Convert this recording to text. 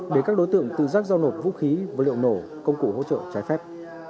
để các đối tượng tự dắt giao nổ vũ khí vật liệu nổ công cụ hỗ trợ trái phép